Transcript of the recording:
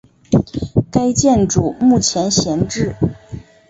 该建筑目前闲置。